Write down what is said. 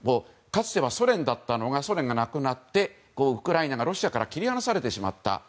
かつてソ連だったのがソ連がなくなってウクライナがロシアから切り離されてしまった。